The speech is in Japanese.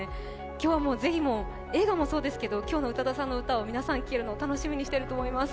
今日は、ぜひ映画もそうですけど、今日の宇多田さんの歌を皆さん、聴けるのを楽しみにしてると思います。